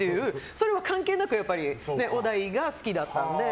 それは関係なく小田井が好きだったので。